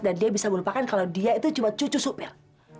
dan dia bisa melupakan kalau dia itu cuma cucu supir